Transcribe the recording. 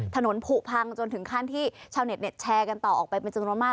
ผูพังจนถึงขั้นที่ชาวเน็ตแชร์กันต่อออกไปเป็นจำนวนมาก